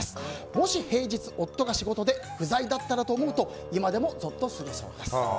もし平日夫が仕事で不在だったらと今でもゾッとするということです。